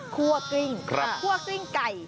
ครัวกริ้งครัวกริ้งไก่